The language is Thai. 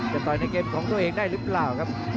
ต่อยในเกมของตัวเองได้หรือเปล่าครับ